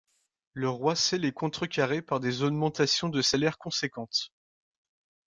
Le roi sait les contrecarrer par des augmentations de salaire conséquentes.